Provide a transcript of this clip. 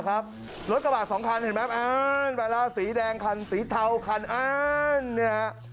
รถกระบะสองคันเห็นไหมอ่าสีแดงคันสีเทาคันอ้านเนี่ย